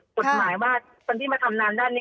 กฎหมายว่าคนที่มาทำงานด้านนี้